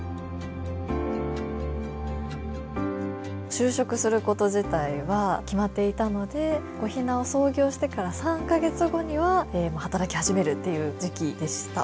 就職すること自体は決まっていたのでＣＯＨＩＮＡを創業してから３か月後には働き始めるっていう時期でした。